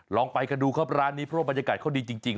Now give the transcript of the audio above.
ลองไปกันดูครับร้านนี้เพราะว่าบรรยากาศเขาดีจริง